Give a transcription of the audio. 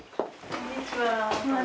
こんにちは。